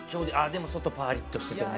でも外パリッとしててね。